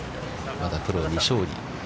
まだプロ未勝利。